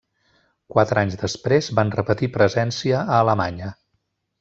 Quatre anys després, van repetir presència a Alemanya.